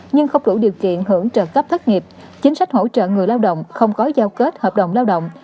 nhưng không đủ điều kiện hưởng trợ cấp thất nghiệp chính sách hỗ trợ người lao động không có giao kết hợp đồng lao động